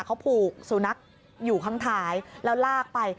เขาผูกสุนัขอยู่ข้างท้ายแล้วลากไป